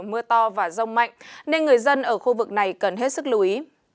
mưa to và rông mạnh nên người dân ở khu vực này cần hết sức lưu ý